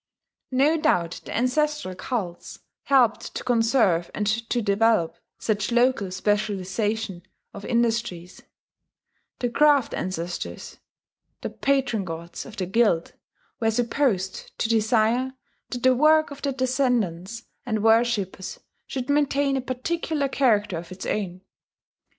No doubt the ancestral cults helped to conserve and to develop such local specialization of industries: the craft ancestors, the patron gods of the guild, were supposed to desire that the work of their descendants and worshippers should maintain a particular character of its own.